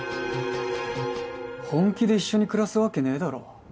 本気で一緒に暮らすわけねえだろ？